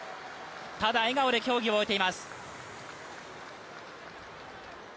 ただ笑顔で競技を終えています。